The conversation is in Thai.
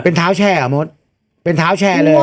เป็นเท้าแชร์เหรอมดเป็นเท้าแชร์เลย